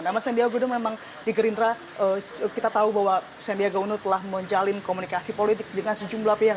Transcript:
nama sandiaga memang di gerindra kita tahu bahwa sandiaga uno telah menjalin komunikasi politik dengan sejumlah pihak